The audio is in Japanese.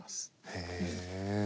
へえ。